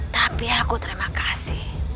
tapi aku terima kasih